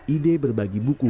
ide berbagi buku